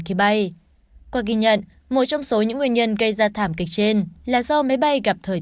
khi bay qua ghi nhận một trong số những nguyên nhân gây ra thảm kịch trên là do máy bay gặp thời